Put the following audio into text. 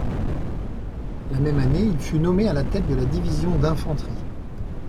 La même année, il fut nommé à la tête de la division d'infanterie.